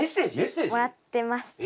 もらってます。